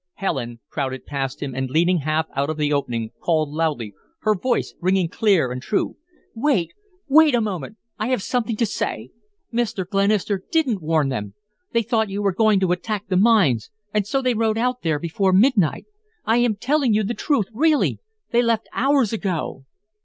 Helen crowded past him and, leaning half out of the opening, called loudly, her voice ringing clear and true: "Wait! Wait a moment. I have something to say. Mr. Glenister didn't warn them. They thought you were going to attack the mines and so they rode out there before midnight. I am telling you the truth, really. They left hours ago."